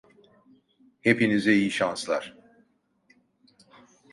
Hepinize iyi şanslar.